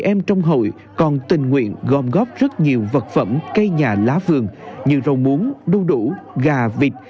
các em trong hội còn tình nguyện gom góp rất nhiều vật phẩm cây nhà lá vườn như rau muống đu đủ gà vịt